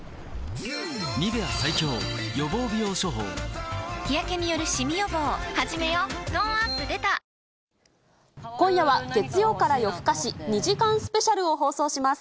トーンアップ出た今夜は月曜から夜ふかし２時間スペシャルを放送します。